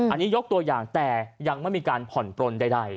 อันนี้ยกตัวอย่างแต่ยังไม่มีการผ่อนปลนใด